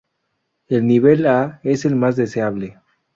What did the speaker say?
El nivel "A" es el más deseable.